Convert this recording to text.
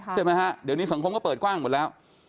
ใช่ไหมฮะเดี๋ยวนี้สังคมก็เปิดกว้างหมดแล้ว